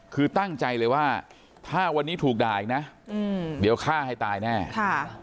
คือตั้งใจเลยว่าถ้าวันนี้ถูกด่าอีกนะอืมเดี๋ยวฆ่าให้ตายแน่ค่ะ